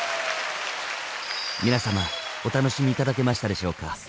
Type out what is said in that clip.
皆様お楽しみいただけましたでしょうか。